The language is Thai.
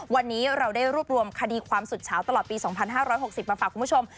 วันนี้เราได้รวบรวมคดีความสุดเฉาตลอดปี๒๕๖๐มาฝากคุณผู้ชม